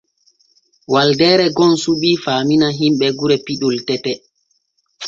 Waldeere gom suɓi faamina himɓe gure piɗol tete.